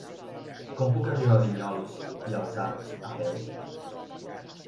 Com puc arribar a Vinyols i els Arcs a peu?